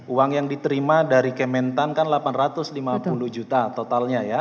uang yang diterima dari kementan kan delapan ratus lima puluh juta totalnya ya